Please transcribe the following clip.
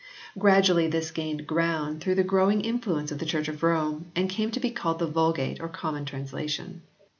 Gradually this gained ground through the growing influence of the Church of Rome and came to be called the Vulgate or common translation.